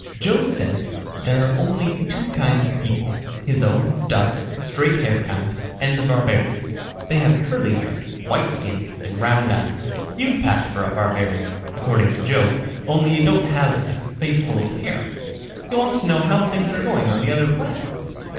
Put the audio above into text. "Joe says there are only two kinds of people, his own dark, straight haired kind and the barbarians. They have curly hair, white skin and round eyes. You'd pass for a barbarian, according to Joe, only you don't have a faceful of hair. He wants to know how things are going on the other planets."